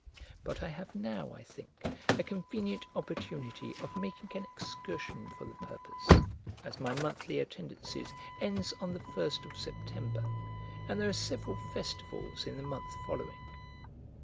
But I have now, I think, a convenient opportunity of making an excursion for the purpose, as my monthly attendances ends on the 1st of September, and there are several festivals in the month following.